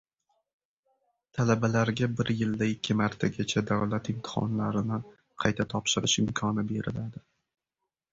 Talabalarga bir yilda ikki martagacha davlat imtihonlarini qayta topshirish imkoni beriladi